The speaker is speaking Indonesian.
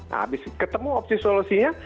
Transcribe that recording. nah habis ketemu opsi solusinya